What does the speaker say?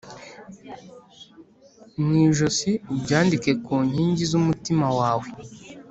mu ijosi Ubyandike ku nkingi z umutima wawe